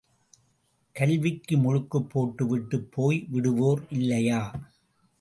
கல்விக்கு முழுக்குப் போட்டுவிட்டுப் போய் விடுவோர் இல்லையா?